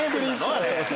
あれ。